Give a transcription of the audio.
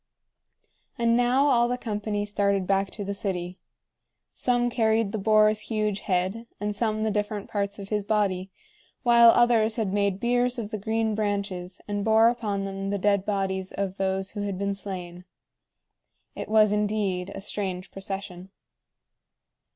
And now all the company started back to the city. Some carried the boar's huge head, and some the different parts of his body, while others had made biers of the green branches, and bore upon them the dead bodies of those who had been slain. It was indeed a strange procession.